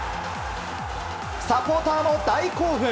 サポーターも大興奮。